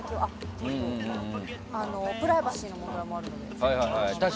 プライバシーの問題もあるので。